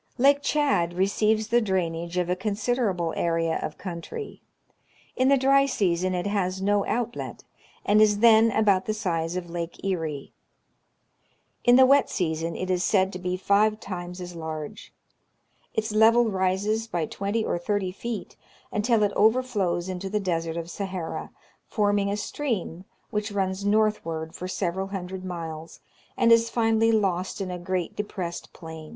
Lake Chad receives the drainage of a considerable area of country. In the dry season it has no outlet, and is then about the size of Lake Erie. In the wet season it is said to be five times as large. Its level rises by twenty or thirty feet until it overflows into the Desert of Sahara, forming a stream which runs northward for several hundred miles, and is finally lost in a great depressed plain.